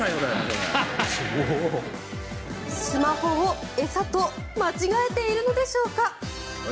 スマホを餌と間違えているのでしょうか。